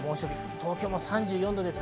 東京も３４度です。